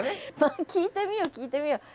聞いてみよう聞いてみよう。